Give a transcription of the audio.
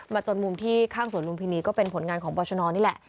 จนมุมที่ข้างสวนลุมพินีก็เป็นผลงานของบอชนนี่แหละ